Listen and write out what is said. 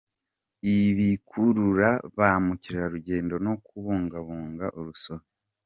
ibikurura ba mukerarugendo no kubungabunga urusobe